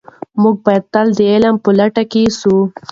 موږ باید تل د علم په لټه کې سو.